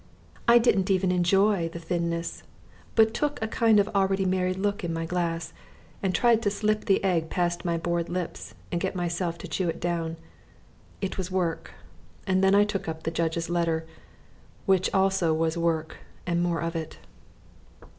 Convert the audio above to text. I didn't even enjoy the thinness, but took a kind of already married look in my glass and tried to slip the egg past my bored lips and get myself to chew it down. It was work; and then I took up the judge's letter, which also was work and more of it.